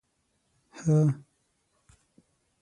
_هه!